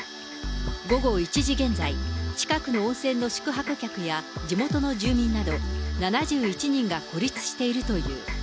午後１時現在、近くの温泉の宿泊客や、地元の住民など７１人が孤立しているという。